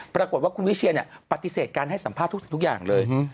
ปรากฏว่าคุณวิเศียรเนี่ยปฏิเสธการให้สัมภาษณ์ทุกอย่างเลย